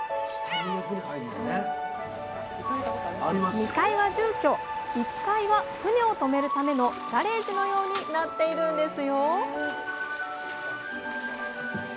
２階は住居１階は船をとめるためのガレージのようになっているんですよ